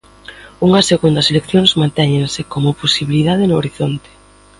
Unhas segundas eleccións mantéñense como posibilidade no horizonte.